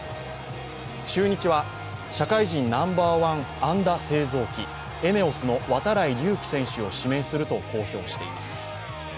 中日は社会人ナンバーワン安打製造機、ＥＮＥＯＳの度会隆輝選手を指名すると公表しています。